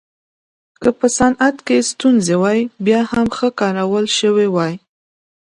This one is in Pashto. که په صنعت کې ستونزې وای بیا هم ښه کارول شوې وای.